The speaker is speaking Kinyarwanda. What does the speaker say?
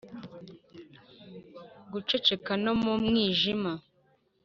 mu guceceka no mu mwijima.